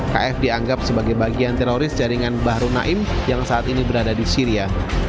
kf dianggap sebagai bagian teroris jaringan bahru naim yang saat ini berada di syria